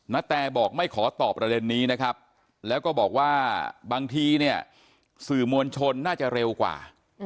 นาแตบอกไม่ขอตอบประเด็นนี้นะครับแล้วก็บอกว่าบางทีเนี่ยสื่อมวลชนน่าจะเร็วกว่า